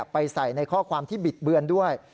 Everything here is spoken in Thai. ไปใส่ในข้อความที่บิดเบือนด้วย